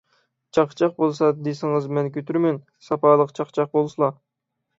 چاقچاق بولسا دېسىڭىز مەن كۆتۈرىمەن، ساپالىق چاقچاق بولسىلا!